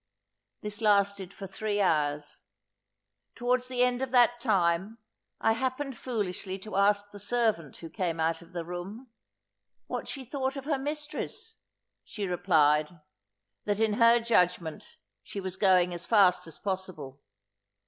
This lasted for three hours. Towards the end of that time, I happened foolishly to ask the servant who came out of the room, "What she thought of her mistress?" she replied, "that, in her judgment, she was going as fast as possible."